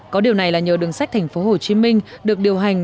có điều này là nhờ đường sách tp hcm được điều hành